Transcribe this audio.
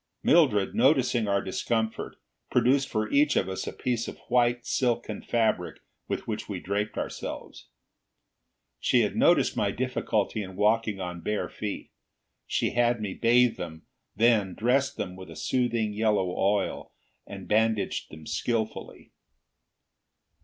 Mildred, noticing our discomfort, produced for each of us a piece of white silken fabric with which we draped ourselves. She had noticed my difficulty in walking on bare feet. She had me bathe them, then dressed them with a soothing yellow oil, and bandaged them skilfully.